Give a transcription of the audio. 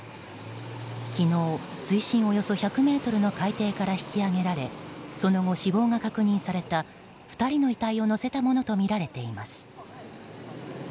昨日、水深およそ１００ｍの海底から引き揚げられその後、死亡が確認された２人の遺体を乗せたものとみられています。